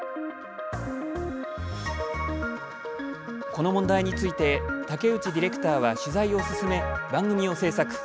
この問題について竹内ディレクターは取材を進め番組を制作。